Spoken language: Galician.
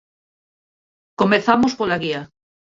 Comezamos pola guía.